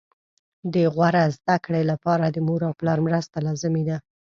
د غوره زده کړې لپاره د مور او پلار مرسته لازمي ده